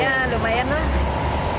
ya lumayan lah